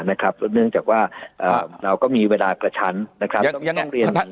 นะครับด้วยเนื่องจากว่าเอ่อเราก็มีเวลาประชันนะครับยังยัง